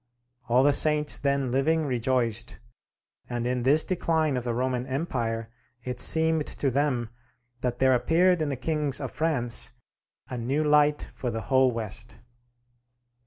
All the saints then living rejoiced; and in this decline of the Roman Empire, it seemed to them that there appeared in the kings of France "a new Light for the whole West."